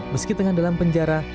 meski tengah dalam penjara